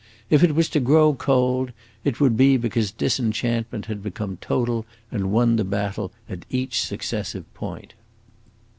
If it was to grow cold, it would be because disenchantment had become total and won the battle at each successive point.